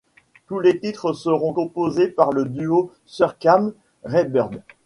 Tous les titres seront composés par le duo Surkamp-Rayburn.